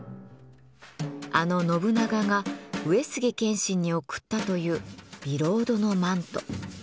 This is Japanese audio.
あの信長が上杉謙信に贈ったというビロードのマント。